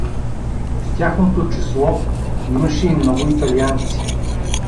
В тяхното число имаше и много италианци.